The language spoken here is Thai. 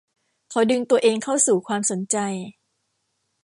เขาดึงตัวเองเข้าสู่ความสนใจ